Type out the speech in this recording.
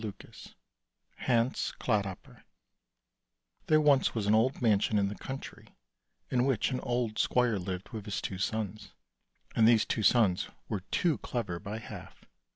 B|il&i HANS* CLODHOPPER' THERE was once an old mansion in the country, in which an old squire lived with his two sons, and these two sons were too clever by half.